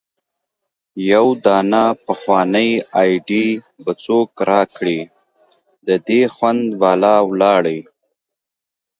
يو دانه پخوانۍ ايډي به څوک را کړي د دې خوند بالا ولاړی